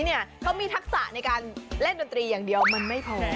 เขามีทักษะในการเล่นดนตรีอย่างเดียวมันไม่พอ